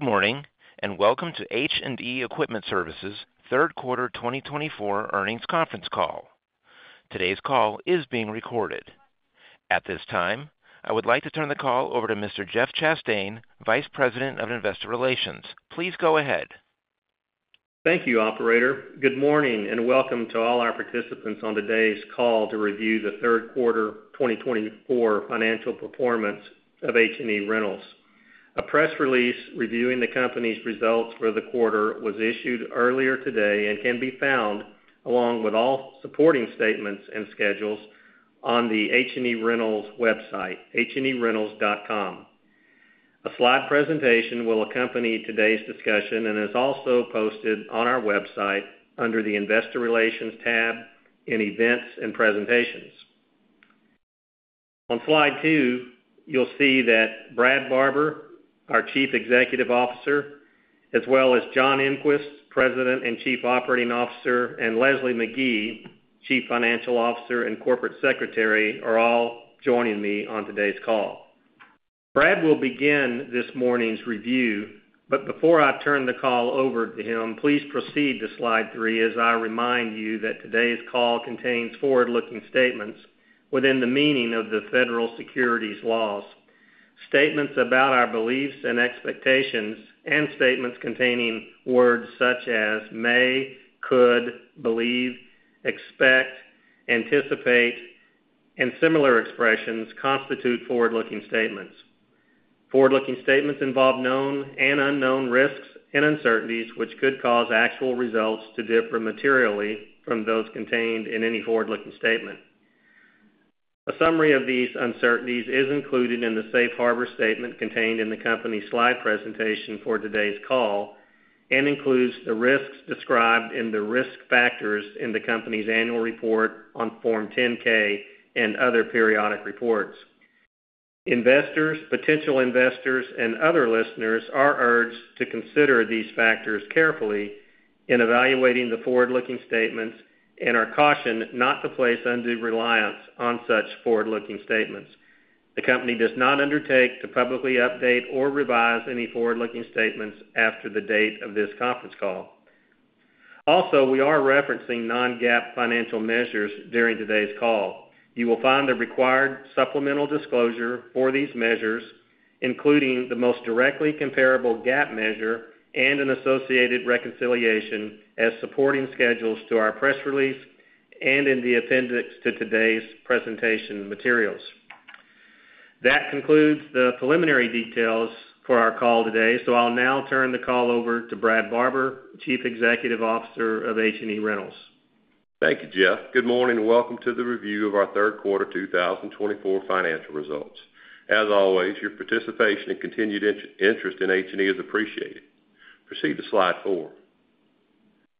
Good morning and welcome to H&E Equipment Services' third quarter 2024 earnings conference call. Today's call is being recorded. At this time, I would like to turn the call over to Mr. Jeff Chastain, Vice President of Investor Relations. Please go ahead. Thank you, Operator. Good morning and welcome to all our participants on today's call to review the third quarter 2024 financial performance of H&E Equipment Services. A press release reviewing the company's results for the quarter was issued earlier today and can be found, along with all supporting statements and schedules, on the H&E Equipment Services website, he-equipment.com. A slide presentation will accompany today's discussion and is also posted on our website under the Investor Relations tab in Events and Presentations. On slide two, you'll see that Brad Barber, our Chief Executive Officer, as well as John Engquist, President and Chief Operating Officer, and Leslie Magee, Chief Financial Officer and Corporate Secretary, are all joining me on today's call. Brad will begin this morning's review, but before I turn the call over to him, please proceed to slide three as I remind you that today's call contains forward-looking statements within the meaning of the federal securities laws. Statements about our beliefs and expectations and statements containing words such as may, could, believe, expect, anticipate, and similar expressions constitute forward-looking statements. Forward-looking statements involve known and unknown risks and uncertainties which could cause actual results to differ materially from those contained in any forward-looking statement. A summary of these uncertainties is included in the safe harbor statement contained in the company's slide presentation for today's call and includes the risks described in the risk factors in the company's annual report on Form 10-K and other periodic reports. Investors, potential investors, and other listeners are urged to consider these factors carefully in evaluating the forward-looking statements and are cautioned not to place undue reliance on such forward-looking statements. The company does not undertake to publicly update or revise any forward-looking statements after the date of this conference call. Also, we are referencing non-GAAP financial measures during today's call. You will find the required supplemental disclosure for these measures, including the most directly comparable GAAP measure and an associated reconciliation, as supporting schedules to our press release and in the appendix to today's presentation materials. That concludes the preliminary details for our call today, so I'll now turn the call over to Brad Barber, Chief Executive Officer of H&E Equipment Services. Thank you, Jeff. Good morning and welcome to the review of our third quarter 2024 financial results. As always, your participation and continued interest in H&E is appreciated. Proceed to slide four.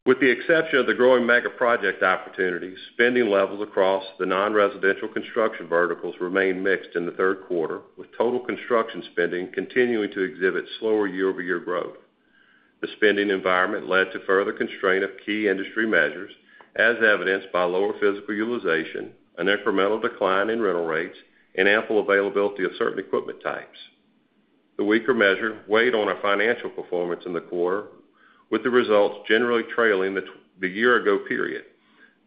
With the exception of the growing mega project opportunities, spending levels across the non-residential construction verticals remained mixed in the third quarter, with total construction spending continuing to exhibit slower year-over-year growth. The spending environment led to further constraint of key industry measures, as evidenced by lower physical utilization, an incremental decline in rental rates, and ample availability of certain equipment types. The weaker measure weighed on our financial performance in the quarter, with the results generally trailing the year-ago period.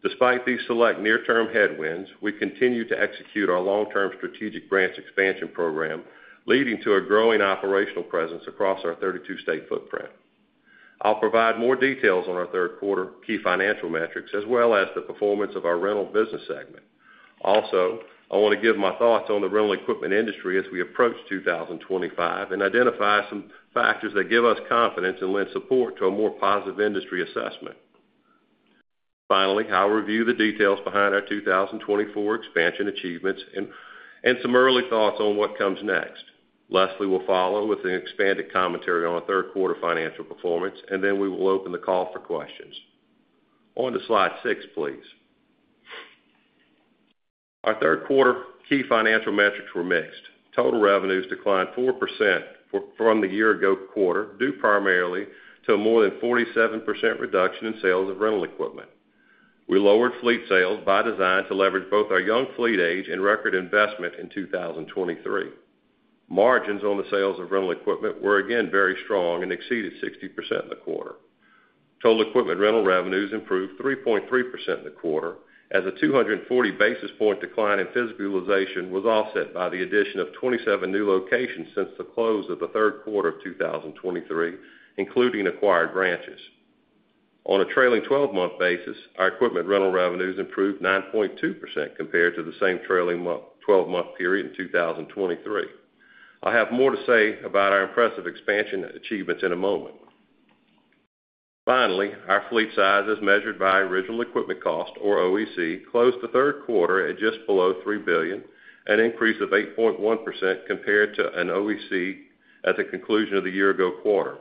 Despite these select near-term headwinds, we continue to execute our long-term strategic branch expansion program, leading to a growing operational presence across our 32-state footprint. I'll provide more details on our third quarter key financial metrics, as well as the performance of our rental business segment. Also, I want to give my thoughts on the rental equipment industry as we approach 2025 and identify some factors that give us confidence and lend support to a more positive industry assessment. Finally, I'll review the details behind our 2024 expansion achievements and some early thoughts on what comes next. Leslie will follow with an expanded commentary on our third quarter financial performance, and then we will open the call for questions. On to slide six, please. Our third quarter key financial metrics were mixed. Total revenues declined 4% from the year-ago quarter, due primarily to a more than 47% reduction in sales of rental equipment. We lowered fleet sales by design to leverage both our young fleet age and record investment in 2023. Margins on the sales of rental equipment were, again, very strong and exceeded 60% in the quarter. Total equipment rental revenues improved 3.3% in the quarter, as a 240 basis points decline in physical utilization was offset by the addition of 27 new locations since the close of the third quarter of 2023, including acquired branches. On a trailing 12-month basis, our equipment rental revenues improved 9.2% compared to the same trailing 12-month period in 2023. I'll have more to say about our impressive expansion achievements in a moment. Finally, our fleet sizes, measured by original equipment cost, or OEC, closed the third quarter at just below $3 billion, an increase of 8.1% compared to an OEC at the conclusion of the year-ago quarter.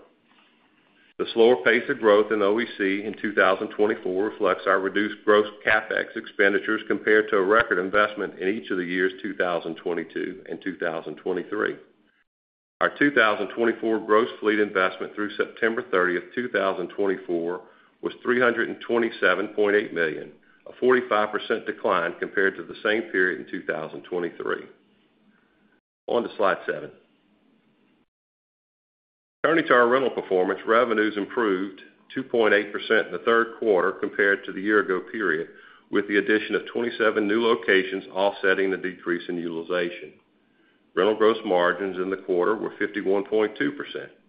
The slower pace of growth in OEC in 2024 reflects our reduced gross CapEx expenditures compared to a record investment in each of the years 2022 and 2023. Our 2024 gross fleet investment through September 30, 2024, was $327.8 million, a 45% decline compared to the same period in 2023. On to slide seven. Turning to our rental performance, revenues improved 2.8% in the third quarter compared to the year-ago period, with the addition of 27 new locations offsetting the decrease in utilization. Rental gross margins in the quarter were 51.2%,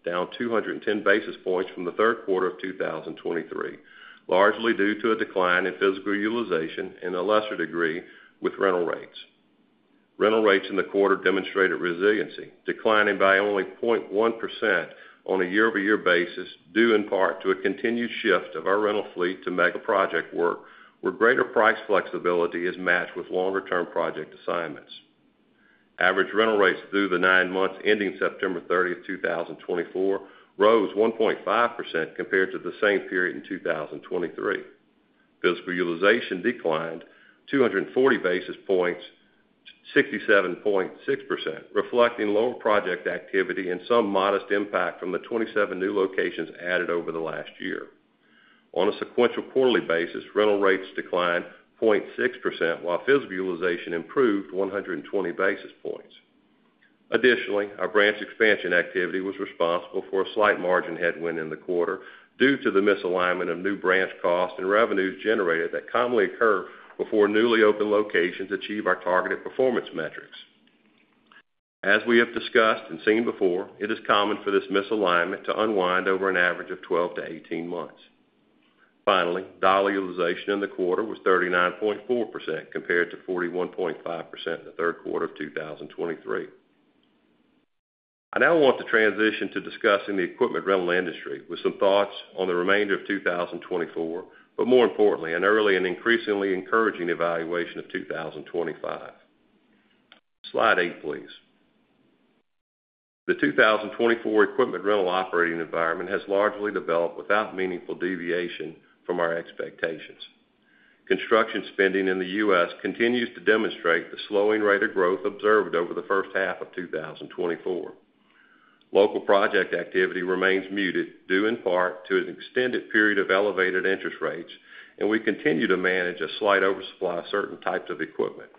down 210 basis points from the third quarter of 2023, largely due to a decline in physical utilization and, to a lesser degree, with rental rates. Rental rates in the quarter demonstrated resiliency, declining by only 0.1% on a year-over-year basis, due in part to a continued shift of our rental fleet to mega project work, where greater price flexibility is matched with longer-term project assignments. Average rental rates through the nine months ending September 30, 2024, rose 1.5% compared to the same period in 2023. Physical utilization declined 240 basis points, 67.6%, reflecting lower project activity and some modest impact from the 27 new locations added over the last year. On a sequential quarterly basis, rental rates declined 0.6%, while physical utilization improved 120 basis points. Additionally, our branch expansion activity was responsible for a slight margin headwind in the quarter due to the misalignment of new branch costs and revenues generated that commonly occur before newly opened locations achieve our targeted performance metrics. As we have discussed and seen before, it is common for this misalignment to unwind over an average of 12 to 18 months. Finally, dollar utilization in the quarter was 39.4% compared to 41.5% in the third quarter of 2023. I now want to transition to discussing the equipment rental industry with some thoughts on the remainder of 2024, but more importantly, an early and increasingly encouraging evaluation of 2025. Slide eight, please. The 2024 equipment rental operating environment has largely developed without meaningful deviation from our expectations. Construction spending in the U.S. continues to demonstrate the slowing rate of growth observed over the first half of 2024. Local project activity remains muted, due in part to an extended period of elevated interest rates, and we continue to manage a slight oversupply of certain types of equipment.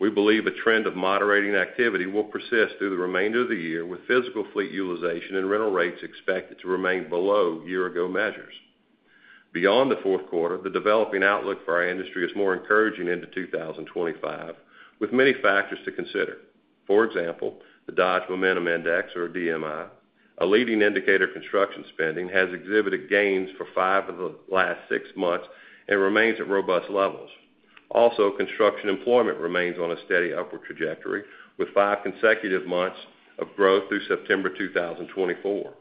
We believe a trend of moderating activity will persist through the remainder of the year, with physical fleet utilization and rental rates expected to remain below year-ago measures. Beyond the fourth quarter, the developing outlook for our industry is more encouraging into 2025, with many factors to consider. For example, the Dodge Momentum Index, or DMI, a leading indicator of construction spending, has exhibited gains for five of the last six months and remains at robust levels. Also, construction employment remains on a steady upward trajectory, with five consecutive months of growth through September 2024.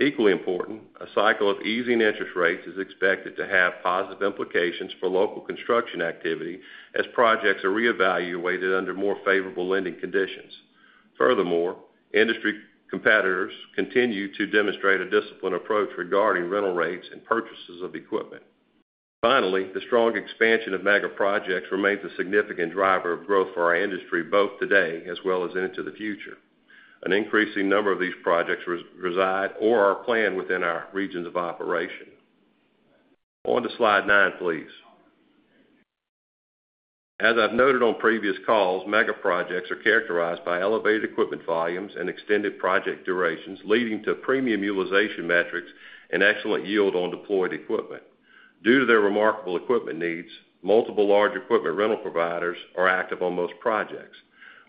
Equally important, a cycle of easing interest rates is expected to have positive implications for local construction activity as projects are reevaluated under more favorable lending conditions. Furthermore, industry competitors continue to demonstrate a disciplined approach regarding rental rates and purchases of equipment. Finally, the strong expansion of mega projects remains a significant driver of growth for our industry both today as well as into the future. An increasing number of these projects reside or are planned within our regions of operation. On to slide nine, please. As I've noted on previous calls, mega projects are characterized by elevated equipment volumes and extended project durations, leading to premium utilization metrics and excellent yield on deployed equipment. Due to their remarkable equipment needs, multiple large equipment rental providers are active on most projects.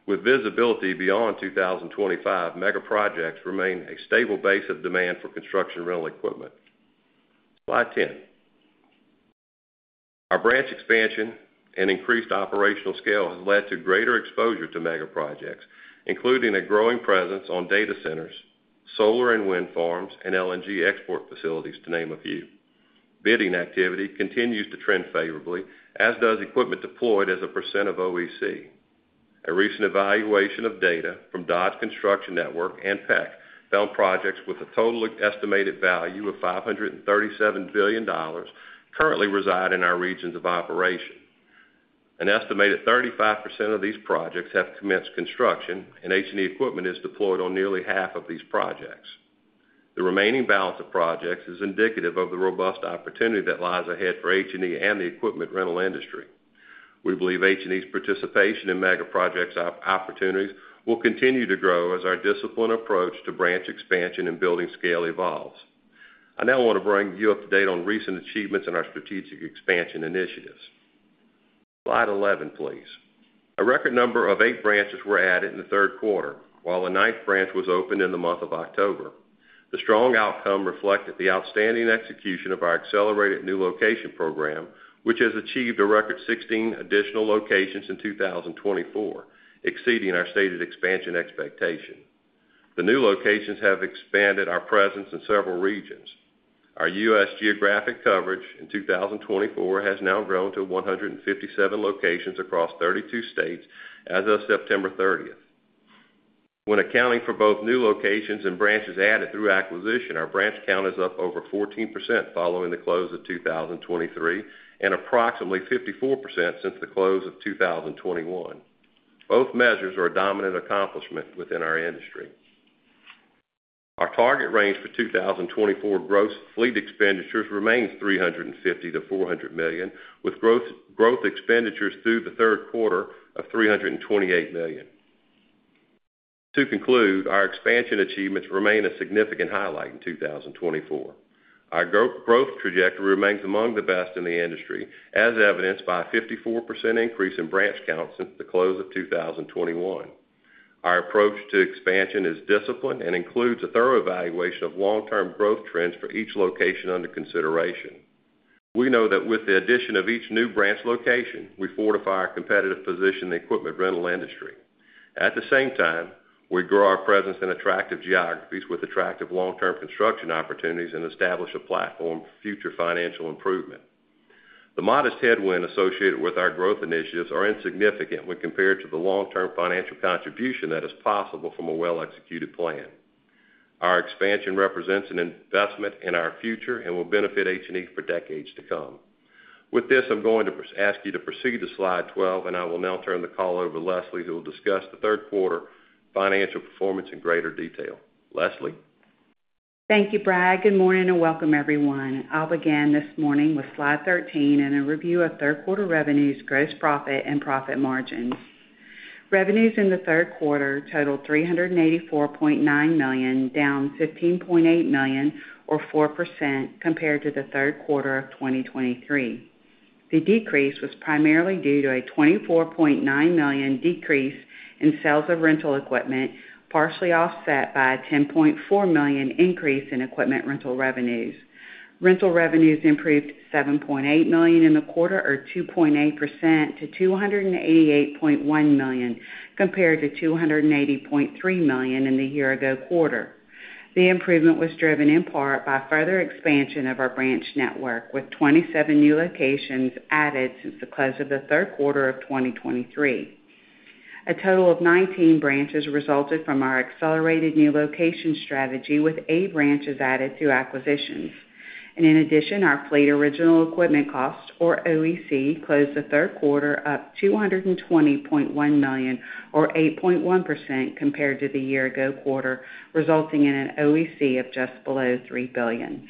With visibility beyond 2025, mega projects remain a stable base of demand for construction rental equipment. Slide 10. Our branch expansion and increased operational scale has led to greater exposure to mega projects, including a growing presence on data centers, solar and wind farms, and LNG export facilities, to name a few. Bidding activity continues to trend favorably, as does equipment deployed as a % of OEC. A recent evaluation of data from Dodge Construction Network and PEC found projects with a total estimated value of $537 billion currently reside in our regions of operation. An estimated 35% of these projects have commenced construction, and H&E equipment is deployed on nearly half of these projects. The remaining balance of projects is indicative of the robust opportunity that lies ahead for H&E and the equipment rental industry. We believe H&E's participation in mega projects opportunities will continue to grow as our disciplined approach to branch expansion and building scale evolves. I now want to bring you up to date on recent achievements in our strategic expansion initiatives. Slide 11, please. A record number of eight branches were added in the third quarter, while the ninth branch was opened in the month of October. The strong outcome reflected the outstanding execution of our accelerated new location program, which has achieved a record 16 additional locations in 2024, exceeding our stated expansion expectation. The new locations have expanded our presence in several regions. Our U.S. geographic coverage in 2024 has now grown to 157 locations across 32 states as of September 30. When accounting for both new locations and branches added through acquisition, our branch count is up over 14% following the close of 2023 and approximately 54% since the close of 2021. Both measures are a dominant accomplishment within our industry. Our target range for 2024 gross fleet expenditures remains $350 million-$400 million, with growth expenditures through the third quarter of $328 million. To conclude, our expansion achievements remain a significant highlight in 2024. Our growth trajectory remains among the best in the industry, as evidenced by a 54% increase in branch count since the close of 2021. Our approach to expansion is disciplined and includes a thorough evaluation of long-term growth trends for each location under consideration. We know that with the addition of each new branch location, we fortify our competitive position in the equipment rental industry. At the same time, we grow our presence in attractive geographies with attractive long-term construction opportunities and establish a platform for future financial improvement. The modest headwind associated with our growth initiatives are insignificant when compared to the long-term financial contribution that is possible from a well-executed plan. Our expansion represents an investment in our future and will benefit H&E for decades to come. With this, I'm going to ask you to proceed to slide 12, and I will now turn the call over to Leslie, who will discuss the third quarter financial performance in greater detail. Leslie. Thank you, Brad. Good morning and welcome, everyone. I'll begin this morning with slide 13 and a review of third quarter revenues, gross profit, and profit margins. Revenues in the third quarter totaled $384.9 million, down $15.8 million, or 4%, compared to the third quarter of 2023. The decrease was primarily due to a $24.9 million decrease in sales of rental equipment, partially offset by a $10.4 million increase in equipment rental revenues. Rental revenues improved $7.8 million in the quarter, or 2.8%, to $288.1 million compared to $280.3 million in the year-ago quarter. The improvement was driven in part by further expansion of our branch network, with 27 new locations added since the close of the third quarter of 2023. A total of 19 branches resulted from our accelerated new location strategy, with eight branches added through acquisitions, and in addition, our fleet original equipment cost, or OEC, closed the third quarter up $220.1 million, or 8.1%, compared to the year-ago quarter, resulting in an OEC of just below $3 billion.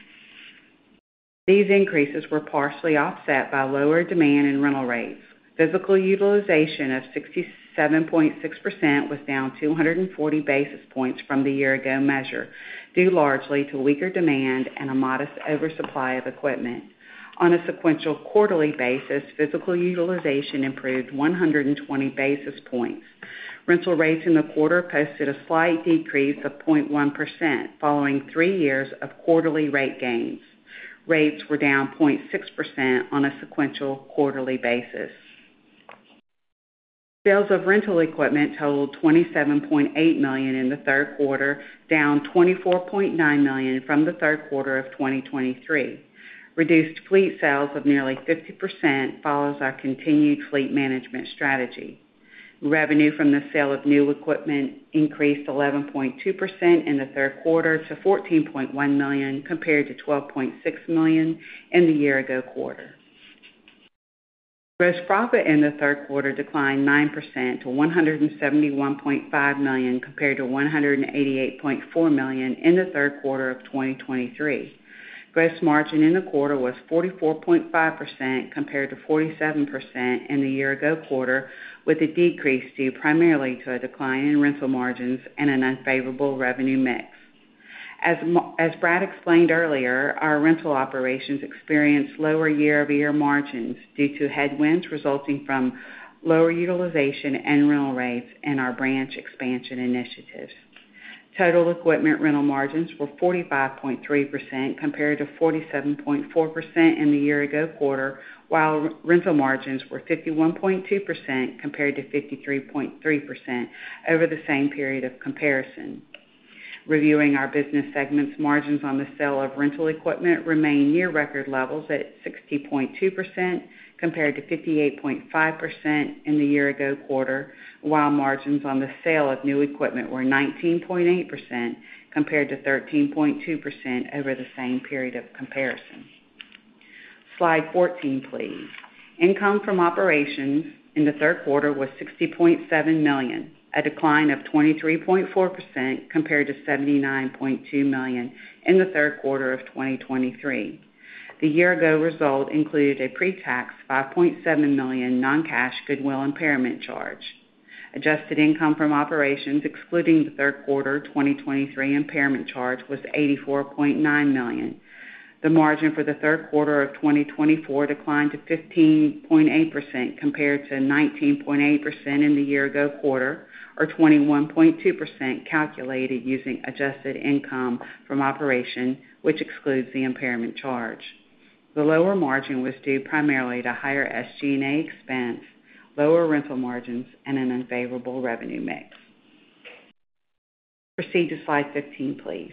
These increases were partially offset by lower demand and rental rates. Physical utilization of 67.6% was down 240 basis points from the year-ago measure, due largely to weaker demand and a modest oversupply of equipment. On a sequential quarterly basis, physical utilization improved 120 basis points. Rental rates in the quarter posted a slight decrease of 0.1%, following three years of quarterly rate gains. Rates were down 0.6% on a sequential quarterly basis. Sales of rental equipment totaled $27.8 million in the third quarter, down $24.9 million from the third quarter of 2023. Reduced fleet sales of nearly 50% follows our continued fleet management strategy. Revenue from the sale of new equipment increased 11.2% in the third quarter to $14.1 million, compared to $12.6 million in the year-ago quarter. Gross profit in the third quarter declined 9% to $171.5 million, compared to $188.4 million in the third quarter of 2023. Gross margin in the quarter was 44.5%, compared to 47% in the year-ago quarter, with a decrease due primarily to a decline in rental margins and an unfavorable revenue mix. As Brad explained earlier, our rental operations experienced lower year-over-year margins due to headwinds resulting from lower utilization and rental rates in our branch expansion initiatives. Total equipment rental margins were 45.3%, compared to 47.4% in the year-ago quarter, while rental margins were 51.2%, compared to 53.3% over the same period of comparison. Reviewing our business segments, margins on the sale of rental equipment remain near record levels at 60.2%, compared to 58.5% in the year-ago quarter, while margins on the sale of new equipment were 19.8%, compared to 13.2% over the same period of comparison. Slide 14, please. Income from operations in the third quarter was $60.7 million, a decline of 23.4%, compared to $79.2 million in the third quarter of 2023. The year-ago result included a pre-tax $5.7 million non-cash goodwill impairment charge. Adjusted income from operations, excluding the third quarter 2023 impairment charge, was $84.9 million. The margin for the third quarter of 2024 declined to 15.8%, compared to 19.8% in the year-ago quarter, or 21.2%, calculated using adjusted income from operations, which excludes the impairment charge. The lower margin was due primarily to higher SG&A expense, lower rental margins, and an unfavorable revenue mix. Proceed to slide 15, please.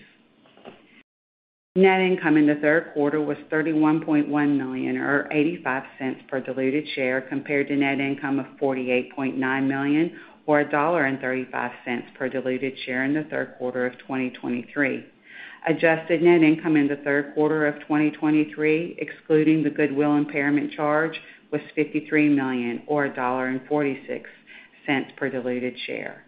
Net income in the third quarter was $31.1 million, or $0.85 per diluted share, compared to net income of $48.9 million, or $1.35 per diluted share in the third quarter of 2023. Adjusted net income in the third quarter of 2023, excluding the goodwill impairment charge, was $53 million, or $1.46 per diluted share.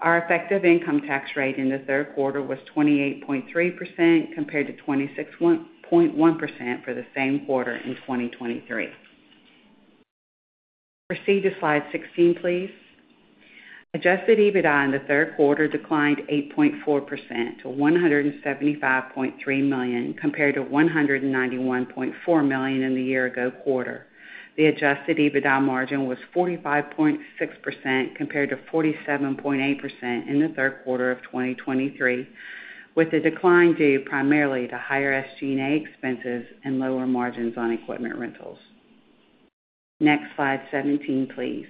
Our effective income tax rate in the third quarter was 28.3%, compared to 26.1% for the same quarter in 2023. Proceed to slide 16, please. Adjusted EBITDA in the third quarter declined 8.4% to $175.3 million, compared to $191.4 million in the year-ago quarter. The adjusted EBITDA margin was 45.6%, compared to 47.8% in the third quarter of 2023, with the decline due primarily to higher SG&A expenses and lower margins on equipment rentals. Next slide 17, please.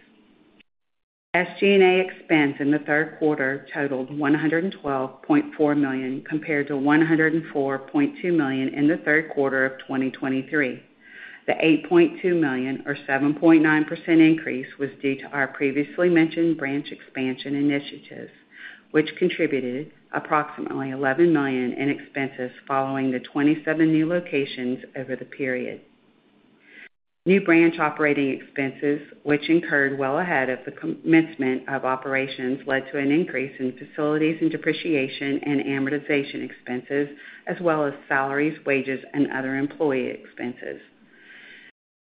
SG&A expense in the third quarter totaled $112.4 million, compared to $104.2 million in the third quarter of 2023. The $8.2 million, or 7.9%, increase was due to our previously mentioned branch expansion initiatives, which contributed approximately $11 million in expenses following the 27 new locations over the period. New branch operating expenses, which incurred well ahead of the commencement of operations, led to an increase in facilities and depreciation and amortization expenses, as well as salaries, wages, and other employee expenses.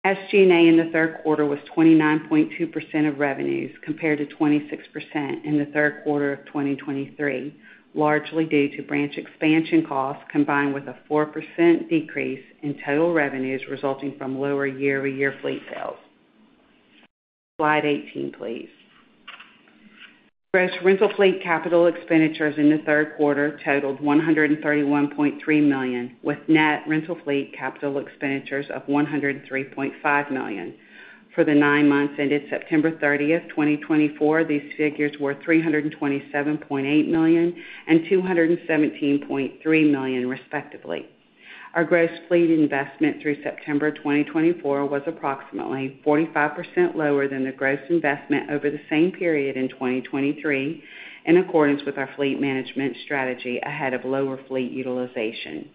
SG&A in the third quarter was 29.2% of revenues, compared to 26% in the third quarter of 2023, largely due to branch expansion costs combined with a 4% decrease in total revenues resulting from lower year-over-year fleet sales. Slide 18, please. Gross rental fleet capital expenditures in the third quarter totaled $131.3 million, with net rental fleet capital expenditures of $103.5 million. For the nine months ended September 30, 2024, these figures were $327.8 million and $217.3 million, respectively. Our gross fleet investment through September 2024 was approximately 45% lower than the gross investment over the same period in 2023, in accordance with our fleet management strategy ahead of lower fleet utilization.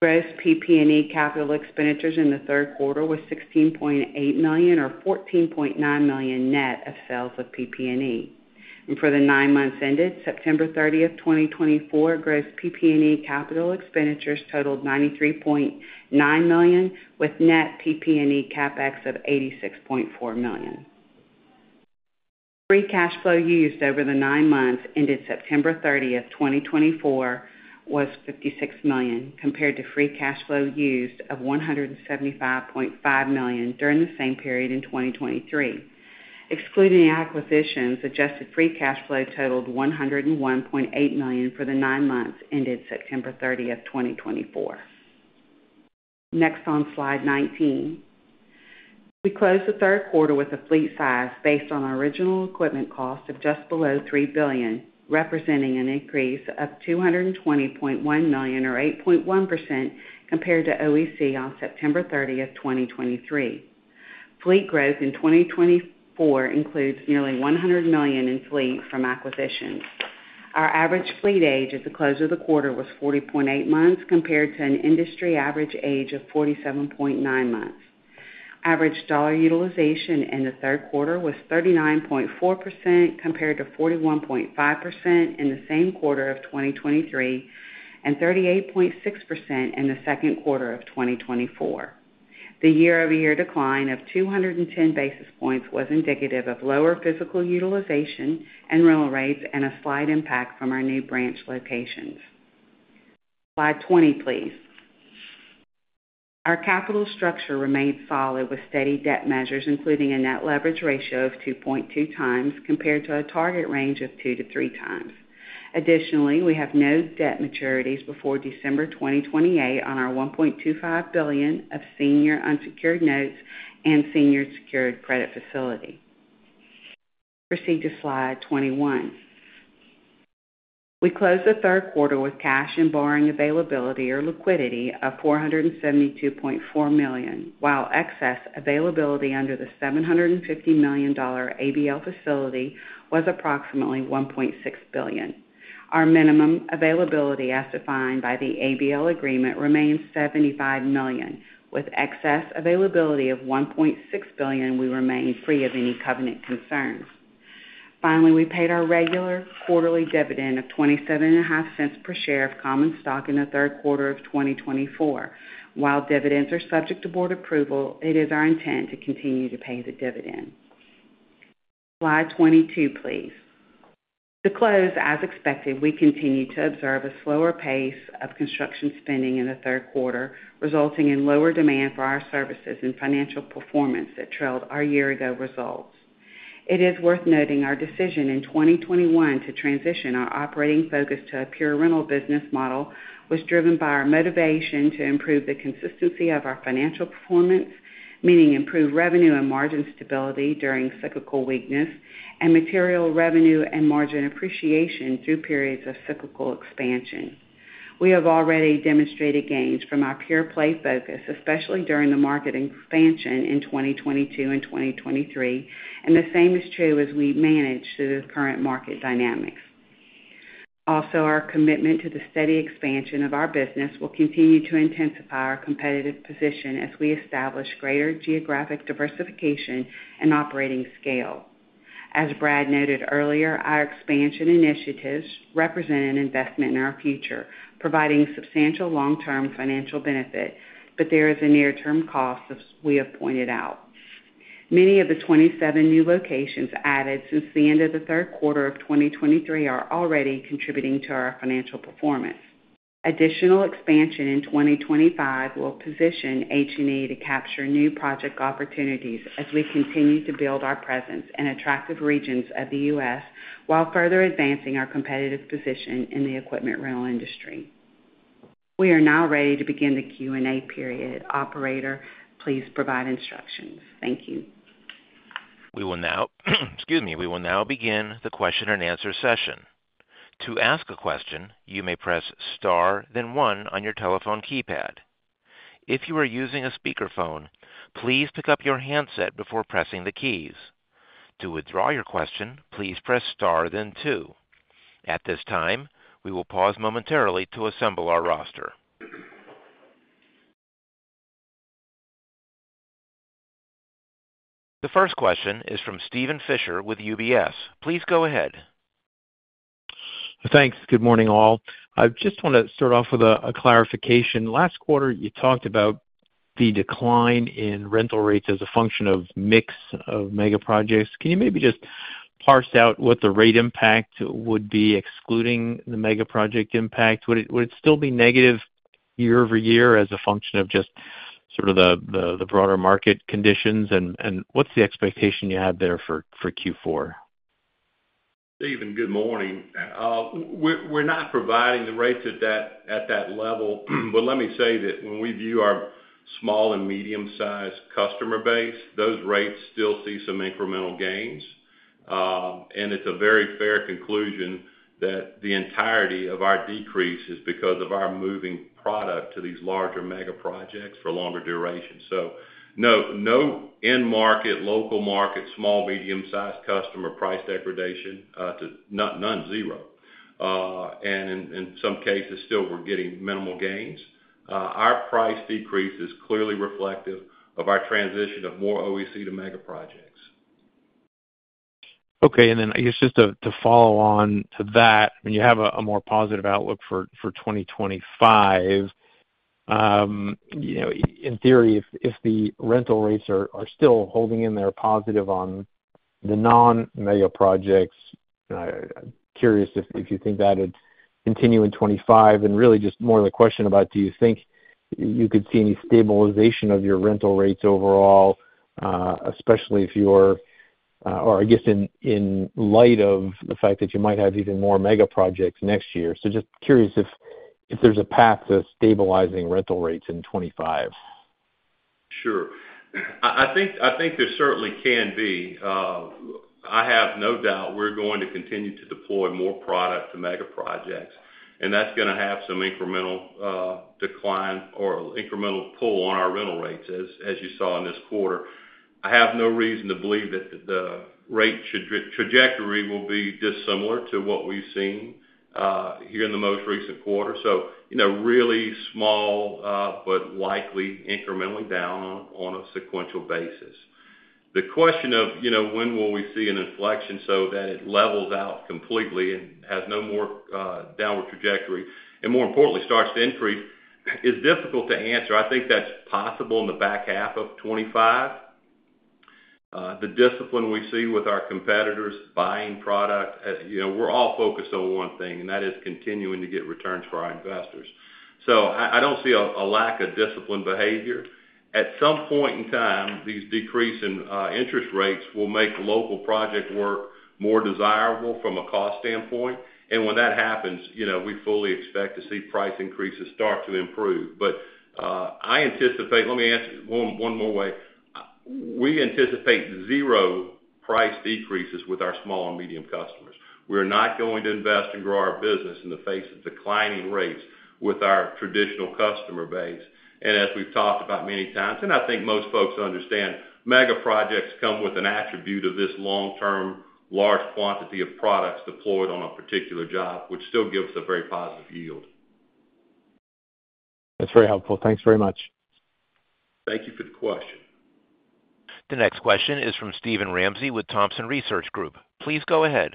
Gross PP&E capital expenditures in the third quarter were $16.8 million, or $14.9 million net of sales of PP&E. For the nine months ended September 30, 2024, gross PP&E capital expenditures totaled $93.9 million, with net PP&E CapEx of $86.4 million. Free cash flow used over the nine months ended September 30, 2024, was $56 million, compared to free cash flow used of $175.5 million during the same period in 2023. Excluding acquisitions, adjusted free cash flow totaled $101.8 million for the nine months ended September 30, 2024. Next on slide 19. We closed the third quarter with a fleet size based on original equipment cost of just below $3 billion, representing an increase of $220.1 million, or 8.1%, compared to OEC on September 30, 2023. Fleet growth in 2024 includes nearly $100 million in fleet from acquisitions. Our average fleet age at the close of the quarter was 40.8 months, compared to an industry average age of 47.9 months. Average dollar utilization in the third quarter was 39.4%, compared to 41.5% in the same quarter of 2023, and 38.6% in the second quarter of 2024. The year-over-year decline of 210 basis points was indicative of lower physical utilization and rental rates and a slight impact from our new branch locations. Slide 20, please. Our capital structure remained solid with steady debt measures, including a net leverage ratio of 2.2 times, compared to a target range of 2-3 times. Additionally, we have no debt maturities before December 2028 on our $1.25 billion of senior unsecured notes and senior secured credit facility. Proceed to slide 21. We closed the third quarter with cash and borrowing availability, or liquidity, of $472.4 million, while excess availability under the $750 million ABL facility was approximately $1.6 billion. Our minimum availability as defined by the ABL agreement remained $75 million. With excess availability of $1.6 billion, we remained free of any covenant concerns. Finally, we paid our regular quarterly dividend of $0.275 per share of common stock in the third quarter of 2024. While dividends are subject to board approval, it is our intent to continue to pay the dividend. Slide 22, please. To close, as expected, we continue to observe a slower pace of construction spending in the third quarter, resulting in lower demand for our services and financial performance that trailed our year-ago results. It is worth noting our decision in 2021 to transition our operating focus to a pure rental business model was driven by our motivation to improve the consistency of our financial performance, meaning improved revenue and margin stability during cyclical weakness, and material revenue and margin appreciation through periods of cyclical expansion. We have already demonstrated gains from our pure play focus, especially during the market expansion in 2022 and 2023, and the same is true as we manage through the current market dynamics. Also, our commitment to the steady expansion of our business will continue to intensify our competitive position as we establish greater geographic diversification and operating scale. As Brad noted earlier, our expansion initiatives represent an investment in our future, providing substantial long-term financial benefit, but there is a near-term cost, as we have pointed out. Many of the 27 new locations added since the end of the third quarter of 2023 are already contributing to our financial performance. Additional expansion in 2025 will position H&E to capture new project opportunities as we continue to build our presence in attractive regions of the U.S. while further advancing our competitive position in the equipment rental industry. We are now ready to begin the Q&A period. Operator, please provide instructions. Thank you. We will now, excuse me, we will now begin the question and answer session. To ask a question, you may press Star, then 1 on your telephone keypad. If you are using a speakerphone, please pick up your handset before pressing the keys. To withdraw your question, please press Star, then 2. At this time, we will pause momentarily to assemble our roster. The first question is from Steven Fisher with UBS. Please go ahead. Thanks. Good morning, all. I just want to start off with a clarification. Last quarter, you talked about the decline in rental rates as a function of mix of mega projects. Can you maybe just parse out what the rate impact would be, excluding the mega project impact? Would it still be negative year-over-year as a function of just sort of the broader market conditions? And what's the expectation you have there for Q4? Steven, good morning. We're not providing the rates at that level, but let me say that when we view our small and medium-sized customer base, those rates still see some incremental gains. And it's a very fair conclusion that the entirety of our decrease is because of our moving product to these larger mega projects for longer duration. So no end market, local market, small, medium-sized customer price degradation to none, zero. And in some cases, still, we're getting minimal gains. Our price decrease is clearly reflective of our transition of more OEC to mega projects. Okay. And then I guess just to follow on to that, when you have a more positive outlook for 2025, in theory, if the rental rates are still holding in there positive on the non-mega projects, I'm curious if you think that would continue in 2025? And really just more of a question about, do you think you could see any stabilization of your rental rates overall, especially if you're, or I guess in light of the fact that you might have even more mega projects next year? So just curious if there's a path to stabilizing rental rates in 2025. Sure. I think there certainly can be. I have no doubt we're going to continue to deploy more product to mega projects, and that's going to have some incremental decline or incremental pull on our rental rates, as you saw in this quarter. I have no reason to believe that the rate trajectory will be dissimilar to what we've seen here in the most recent quarter. So really small, but likely incrementally down on a sequential basis. The question of when will we see an inflection so that it levels out completely and has no more downward trajectory, and more importantly, starts to increase, is difficult to answer. I think that's possible in the back half of 2025. The discipline we see with our competitors buying product, we're all focused on one thing, and that is continuing to get returns for our investors. So I don't see a lack of disciplined behavior. At some point in time, these decreasing interest rates will make local project work more desirable from a cost standpoint. And when that happens, we fully expect to see price increases start to improve. But I anticipate, let me answer one more way. We anticipate zero price decreases with our small and medium customers. We are not going to invest and grow our business in the face of declining rates with our traditional customer base. And as we've talked about many times, and I think most folks understand, mega projects come with an attribute of this long-term, large quantity of products deployed on a particular job, which still gives us a very positive yield. That's very helpful. Thanks very much. Thank you for the question. The next question is from Steven Ramsey with Thompson Research Group. Please go ahead.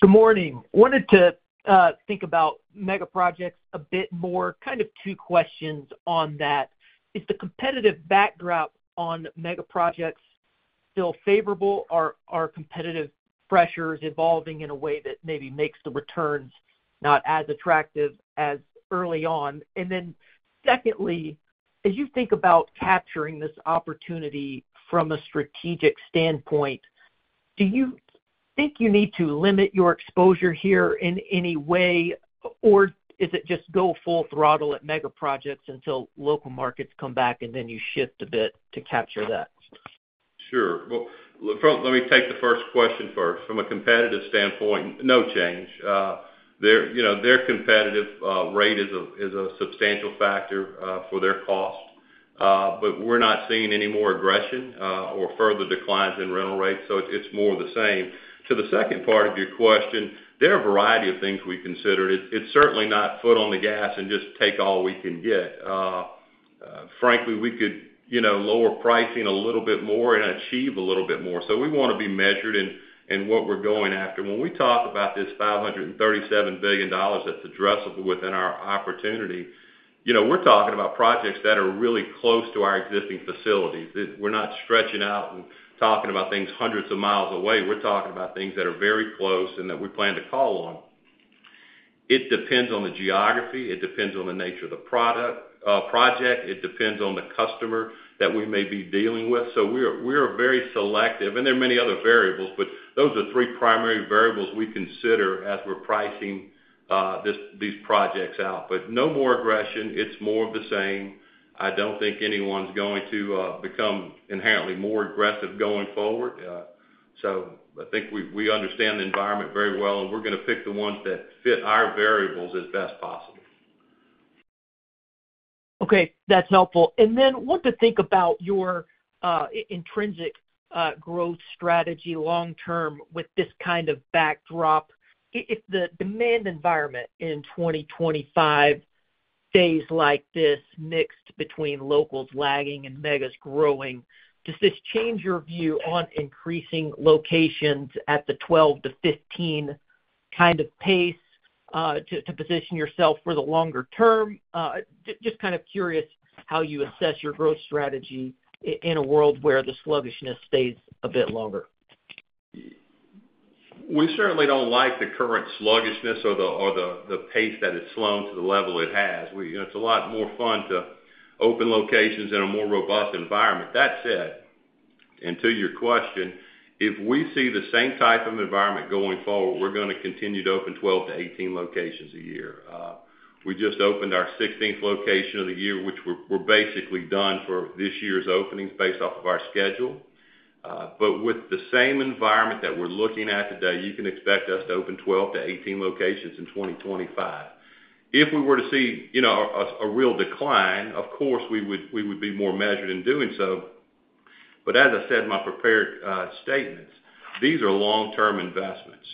Good morning. Wanted to think about mega projects a bit more. Kind of two questions on that. Is the competitive backdrop on mega projects still favorable, or are competitive pressures evolving in a way that maybe makes the returns not as attractive as early on? And then secondly, as you think about capturing this opportunity from a strategic standpoint, do you think you need to limit your exposure here in any way, or is it just go full throttle at mega projects until local markets come back, and then you shift a bit to capture that? Sure. Well, let me take the first question first. From a competitive standpoint, no change. The competitive rate is a substantial factor for the cost, but we're not seeing any more aggression or further declines in rental rates, so it's more the same. To the second part of your question, there are a variety of things we consider. It's certainly not foot on the gas and just take all we can get. Frankly, we could lower pricing a little bit more and achieve a little bit more. So we want to be measured in what we're going after. When we talk about this $537 billion that's addressable within our opportunity, we're talking about projects that are really close to our existing facilities. We're not stretching out and talking about things hundreds of miles away. We're talking about things that are very close and that we plan to call on. It depends on the geography. It depends on the nature of the project. It depends on the customer that we may be dealing with. So we're very selective. And there are many other variables, but those are three primary variables we consider as we're pricing these projects out. But no more aggression. It's more of the same. I don't think anyone's going to become inherently more aggressive going forward. So I think we understand the environment very well, and we're going to pick the ones that fit our variables as best possible. Okay. That's helpful. And then want to think about your intrinsic growth strategy long-term with this kind of backdrop. If the demand environment in 2025 stays like this, mixed between locals lagging and megas growing, does this change your view on increasing locations at the 12 to 15 kind of pace to position yourself for the longer term? Just kind of curious how you assess your growth strategy in a world where the sluggishness stays a bit longer? We certainly don't like the current sluggishness or the pace that it's slowing to the level it has. It's a lot more fun to open locations in a more robust environment. That said, and to your question, if we see the same type of environment going forward, we're going to continue to open 12-18 locations a year. We just opened our 16th location of the year, which we're basically done for this year's openings based off of our schedule. But with the same environment that we're looking at today, you can expect us to open 12-18 locations in 2025. If we were to see a real decline, of course, we would be more measured in doing so. But as I said in my prepared statements, these are long-term investments.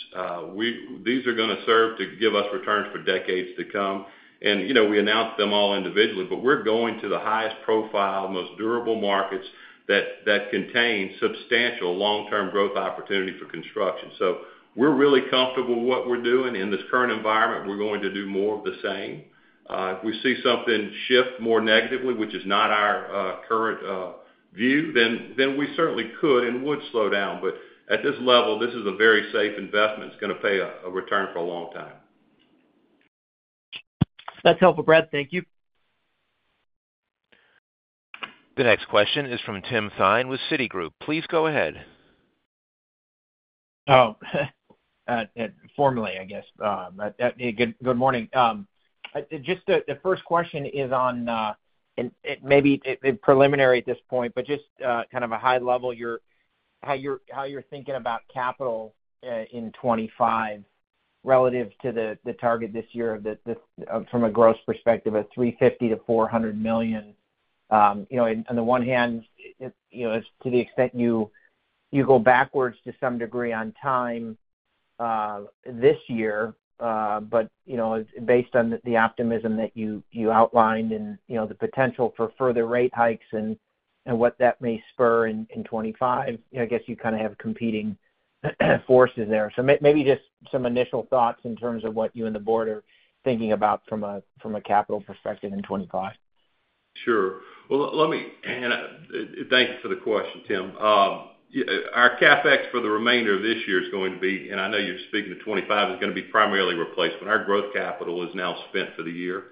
These are going to serve to give us returns for decades to come. We announced them all individually, but we're going to the highest profile, most durable markets that contain substantial long-term growth opportunity for construction. We're really comfortable with what we're doing. In this current environment, we're going to do more of the same. If we see something shift more negatively, which is not our current view, then we certainly could and would slow down. At this level, this is a very safe investment. It's going to pay a return for a long time. That's helpful, Brad. Thank you. The next question is from Tim Thein with Citigroup. Please go ahead. Formally, I guess. Good morning. Just the first question is on maybe preliminary at this point, but just kind of a high level, how you're thinking about capital in 2025 relative to the target this year from a gross perspective of $350 million-$400 million. On the one hand, to the extent you go backwards to some degree on time this year, but based on the optimism that you outlined and the potential for further rate hikes and what that may spur in 2025, I guess you kind of have competing forces there. So maybe just some initial thoughts in terms of what you and the board are thinking about from a capital perspective in 2025. Sure. Thank you for the question, Tim. Our CapEx for the remainder of this year is going to be, and I know you're speaking to 2025, is going to be primarily replacement. Our growth capital is now spent for the year.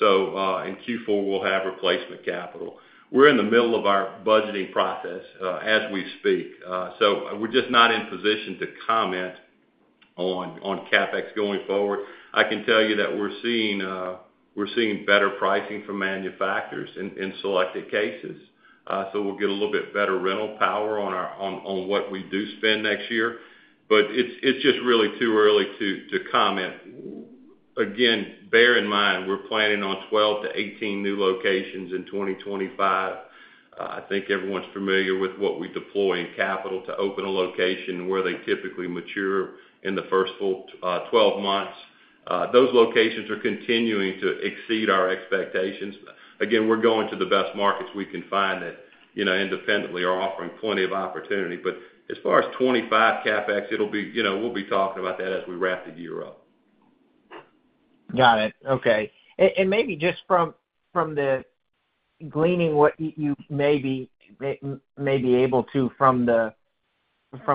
In Q4, we'll have replacement capital. We're in the middle of our budgeting process as we speak. We're just not in position to comment on CapEx going forward. I can tell you that we're seeing better pricing for manufacturers in selected cases. We'll get a little bit better rental power on what we do spend next year. But it's just really too early to comment. Again, bear in mind, we're planning on 12-18 new locations in 2025. I think everyone's familiar with what we deploy in capital to open a location where they typically mature in the first 12 months. Those locations are continuing to exceed our expectations. Again, we're going to the best markets we can find that independently are offering plenty of opportunity. But as far as 2025 CapEx, we'll be talking about that as we wrap the year up. Got it. Okay. And maybe just from the gleaning what you may be able to from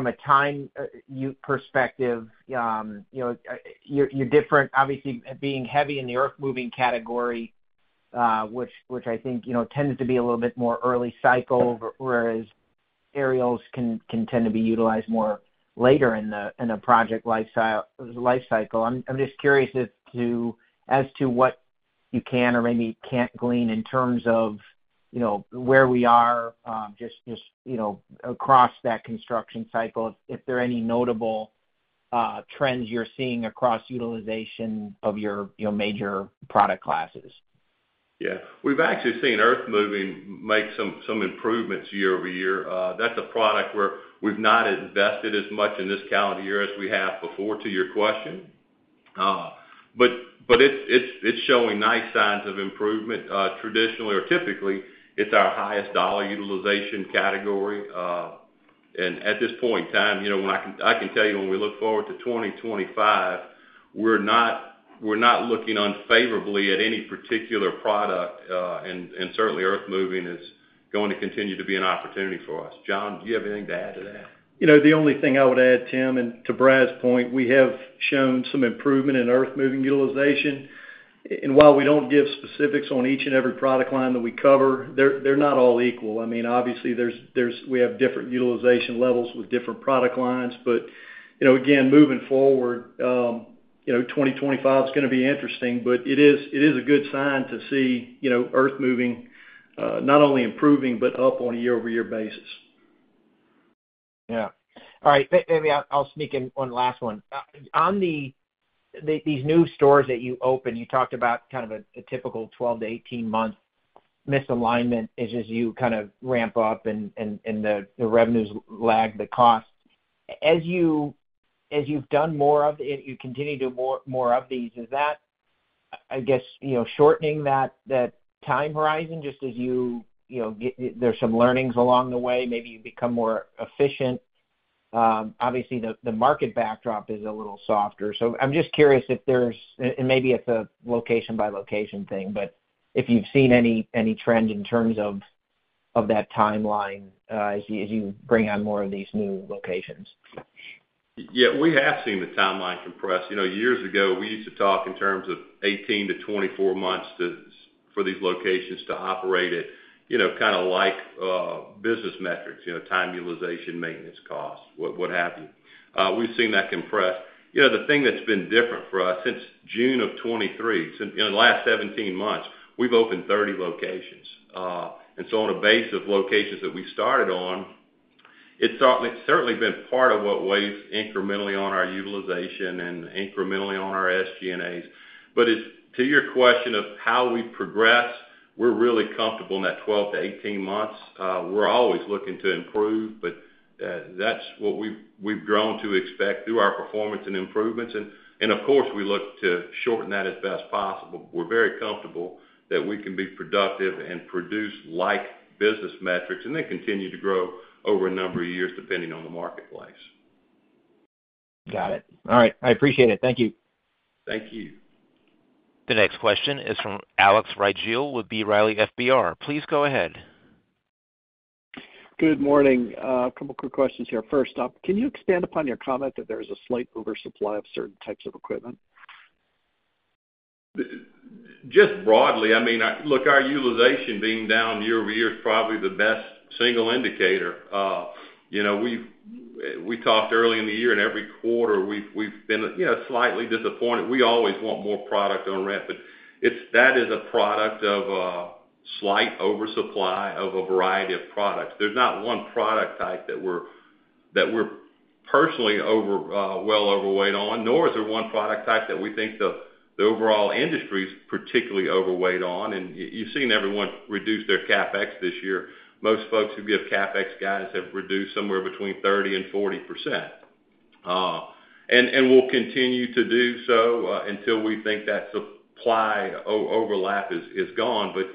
a time perspective, you're different, obviously, being heavy in the earth-moving category, which I think tends to be a little bit more early cycle, whereas aerials can tend to be utilized more later in a project lifecycle. I'm just curious as to what you can or maybe can't glean in terms of where we are just across that construction cycle, if there are any notable trends you're seeing across utilization of your major product classes. Yeah. We've actually seen earth-moving make some improvements year-over-year. That's a product where we've not invested as much in this calendar year as we have before to your question. But it's showing nice signs of improvement. Traditionally, or typically, it's our highest dollar utilization category. And at this point in time, I can tell you when we look forward to 2025, we're not looking unfavorably at any particular product. And certainly, earth-moving is going to continue to be an opportunity for us. John, do you have anything to add to that? The only thing I would add, Tim, and to Brad's point, we have shown some improvement in earth-moving utilization, and while we don't give specifics on each and every product line that we cover, they're not all equal. I mean, obviously, we have different utilization levels with different product lines, but again, moving forward, 2025 is going to be interesting, but it is a good sign to see earth-moving not only improving, but up on a year-over-year basis. Yeah. All right. Maybe I'll sneak in one last one. On these new stores that you open, you talked about kind of a typical 12-18 month misalignment as you kind of ramp up and the revenues lag the cost. As you've done more of it, you continue to do more of these, is that, I guess, shortening that time horizon just as there's some learnings along the way, maybe you become more efficient? Obviously, the market backdrop is a little softer. So I'm just curious if there's, and maybe it's a location-by-location thing, but if you've seen any trend in terms of that timeline as you bring on more of these new locations. Yeah. We have seen the timeline compress. Years ago, we used to talk in terms of 18-24 months for these locations to operate at kind of like business metrics: time utilization, maintenance costs, what have you. We've seen that compress. The thing that's been different for us since June of 2023, in the last 17 months, we've opened 30 locations. And so on a base of locations that we started on, it's certainly been part of what weighs incrementally on our utilization and incrementally on our SG&A. But to your question of how we progress, we're really comfortable in that 12-18 months. We're always looking to improve, but that's what we've grown to expect through our performance and improvements. And of course, we look to shorten that as best possible. We're very comfortable that we can be productive and produce like business metrics and then continue to grow over a number of years depending on the marketplace. Got it. All right. I appreciate it. Thank you. Thank you. The next question is from Alex Rygiel with B. Riley Securities. Please go ahead. Good morning. A couple of quick questions here. First up, can you expand upon your comment that there is a slight oversupply of certain types of equipment? Just broadly, I mean, look, our utilization being down year-over-year is probably the best single indicator. We talked early in the year, and every quarter, we've been slightly disappointed. We always want more product on ramp. But that is a product of a slight oversupply of a variety of products. There's not one product type that we're personally well overweight on, nor is there one product type that we think the overall industry is particularly overweight on. And you've seen everyone reduce their CapEx this year. Most folks who give CapEx guidance have reduced somewhere between 30% and 40%. And we'll continue to do so until we think that supply overlap is gone. But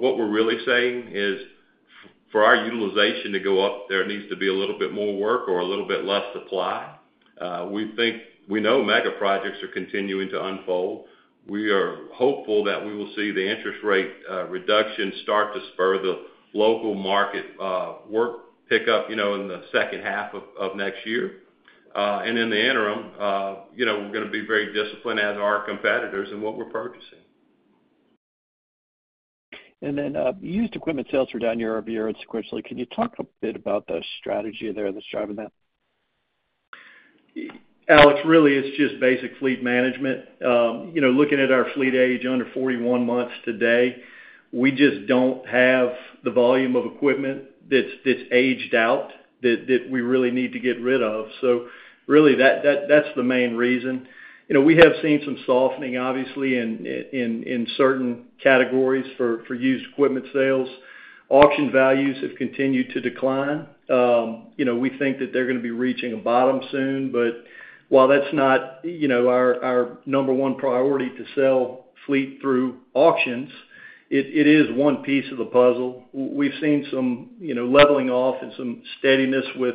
what we're really saying is for our utilization to go up, there needs to be a little bit more work or a little bit less supply. We know mega projects are continuing to unfold. We are hopeful that we will see the interest rate reduction start to spur the local market work pickup in the second half of next year, and in the interim, we're going to be very disciplined as our competitors in what we're purchasing. Used equipment sales were down year-over-year and sequentially. Can you talk a bit about the strategy there that's driving that? Alex, really, it's just basic fleet management. Looking at our fleet age under 41 months today, we just don't have the volume of equipment that's aged out that we really need to get rid of. So really, that's the main reason. We have seen some softening, obviously, in certain categories for used equipment sales. Auction values have continued to decline. We think that they're going to be reaching a bottom soon. But while that's not our number one priority to sell fleet through auctions, it is one piece of the puzzle. We've seen some leveling off and some steadiness with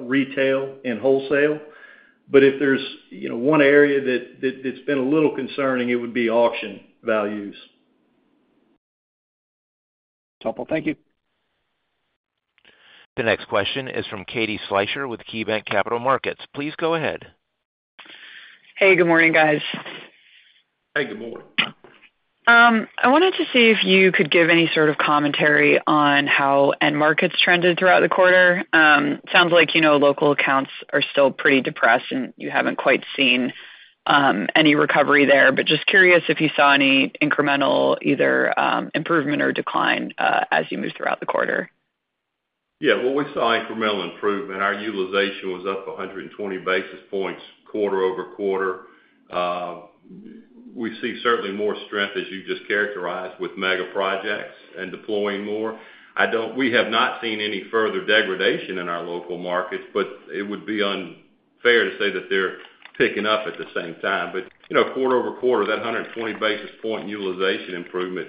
retail and wholesale. But if there's one area that's been a little concerning, it would be auction values. That's helpful. Thank you. The next question is from Katie Fleischer with KeyBanc Capital Markets. Please go ahead. Hey, good morning, guys. Hey, good morning. I wanted to see if you could give any sort of commentary on how end markets trended throughout the quarter. It sounds like local accounts are still pretty depressed, and you haven't quite seen any recovery there. But just curious if you saw any incremental either improvement or decline as you move throughout the quarter. Yeah. Well, we saw incremental improvement. Our utilization was up 120 basis points quarter over quarter. We see certainly more strength, as you just characterized, with mega projects and deploying more. We have not seen any further degradation in our local markets, but it would be unfair to say that they're picking up at the same time. But quarter over quarter, that 120 basis point utilization improvement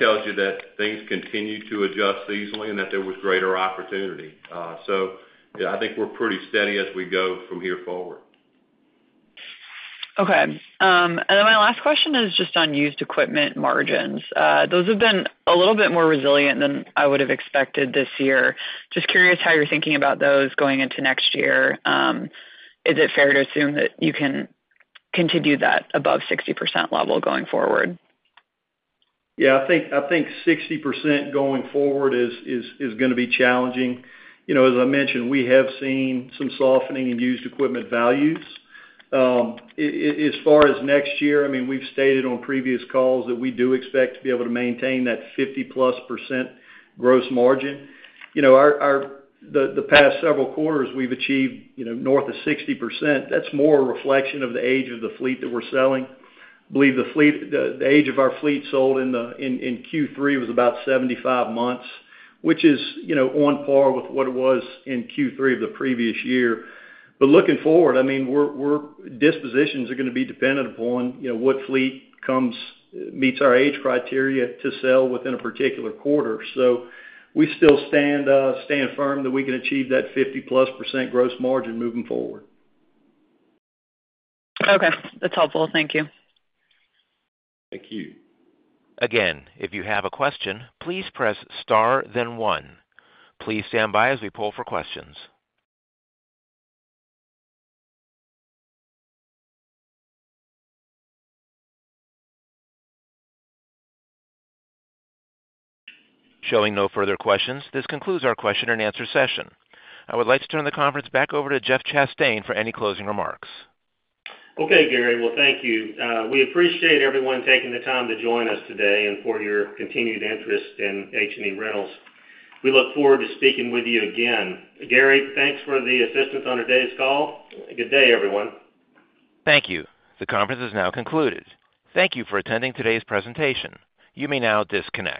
tells you that things continue to adjust seasonally and that there was greater opportunity. So I think we're pretty steady as we go from here forward. Okay. And then my last question is just on used equipment margins. Those have been a little bit more resilient than I would have expected this year. Just curious how you're thinking about those going into next year. Is it fair to assume that you can continue that above 60% level going forward? Yeah. I think 60% going forward is going to be challenging. As I mentioned, we have seen some softening in used equipment values. As far as next year, I mean, we've stated on previous calls that we do expect to be able to maintain that 50-plus% gross margin. The past several quarters, we've achieved north of 60%. That's more a reflection of the age of the fleet that we're selling. I believe the age of our fleet sold in Q3 was about 75 months, which is on par with what it was in Q3 of the previous year. But looking forward, I mean, dispositions are going to be dependent upon what fleet meets our age criteria to sell within a particular quarter. So we still stand firm that we can achieve that 50-plus% gross margin moving forward. Okay. That's helpful. Thank you. Thank you. Again, if you have a question, please press star, then one. Please stand by as we pull for questions. Showing no further questions, this concludes our question and answer session. I would like to turn the conference back over to Jeff Chastain for any closing remarks. Okay, Gary. Well, thank you. We appreciate everyone taking the time to join us today and for your continued interest in H&E Equipment Services. We look forward to speaking with you again. Gary, thanks for the assistance on today's call. Good day, everyone. Thank you. The conference is now concluded. Thank you for attending today's presentation. You may now disconnect.